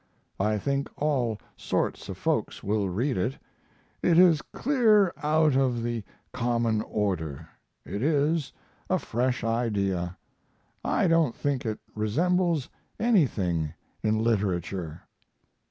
I think all sorts of folks will read it. It is clear out of the common order it is a fresh idea I don't think it resembles anything in literature.